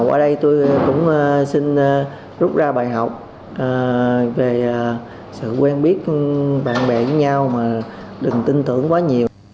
ở đây tôi cũng xin rút ra bài học về sự quen biết bạn bè với nhau mà đừng tin tưởng quá nhiều